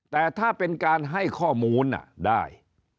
แต่ถ้าเป็นการให้ข้อมูลได้